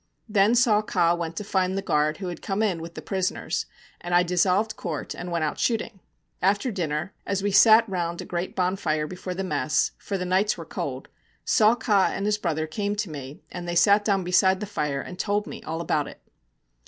Then Saw Ka went to find the guard who had come in with the prisoners, and I dissolved court and went out shooting. After dinner, as we sat round a great bonfire before the mess, for the nights were cold, Saw Ka and his brother came to me, and they sat down beside the fire and told me all about it.